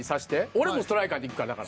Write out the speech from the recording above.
俺もストライカーにいくから。